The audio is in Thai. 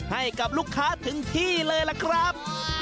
ให้กับลูกค้าถึงที่เลยล่ะครับ